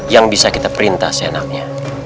yang bisa kita perintah seenaknya